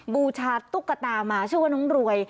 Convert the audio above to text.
บูชาตุ๊กตามาชื่อว่าน้องรวย